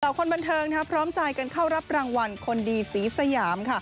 คนบันเทิงพร้อมใจกันเข้ารับรางวัลคนดีศรีสยามค่ะ